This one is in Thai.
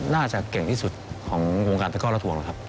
น่าจะเก่งที่สุดของวงการตะก้อและทวงนะครับ